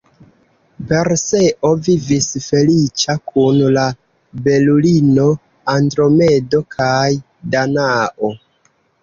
Perseo vivis feliĉa kun la belulino Andromedo kaj Danao.